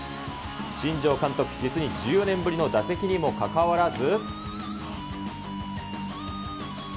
新庄監督、実に１４年ぶりの打席にもかかわらず。